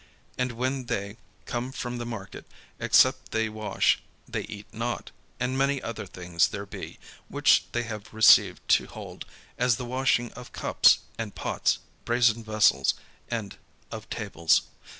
And when they come from the market, except they wash, they eat not, and many other things there be, which they have received to hold, as the washing of cups, and pots, brasen vessels, and of tables.)